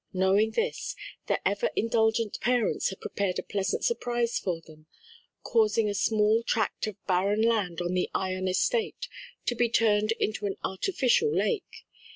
Knowing this, their ever indulgent parents had prepared a pleasant surprise for them, causing a small tract of barren land on the Ion estate to be turned into an artificial lake.